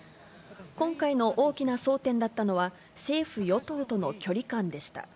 今回の大きな争点だったのは、政府・与党との距離感でした。